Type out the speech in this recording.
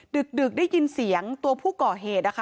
ดึกได้ยินเสียงตัวผู้ก่อเหตุนะคะ